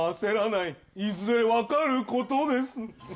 いずれ分かることです。